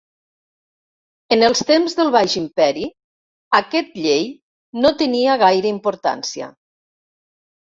En els temps del baix imperi, aquest llei no tenia gaire importància.